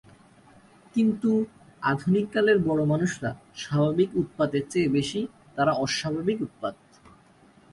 কিন্তু, আধুনিক কালের বড়োমানুষরা স্বাভাবিক উৎপাতের চেয়ে বেশি, তারা অস্বাভাবিক উৎপাত।